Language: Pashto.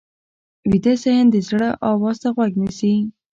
ویده ذهن د زړه آواز ته غوږ نیسي